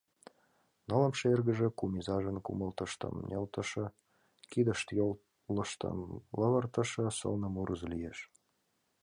Нылымше эргыже кум изажын кумылыштым нӧлтышӧ, кидышт-йолыштым лывыртыше сылне мурызо лиеш.